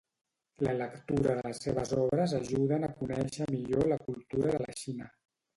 La lectura de les seves obres ajuden a conèixer millor la cultura de la Xina.